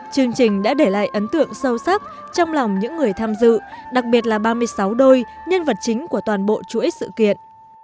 chương trình đã để lại ấn tượng sâu sắc trong lòng những người tham dự đặc biệt là ba mươi sáu đôi nhân vật chính của toàn bộ chuỗi sự kiện